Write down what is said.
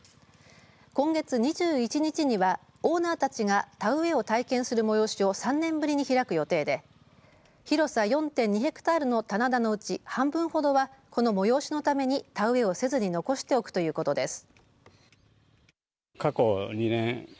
今月２１日にはオーナーたちが田植えを体験する催しを３年ぶりに開く予定で広さ４．２ヘクタールの棚田のうち半分ほどはこの催しのために田植えをせずに残しておくということです。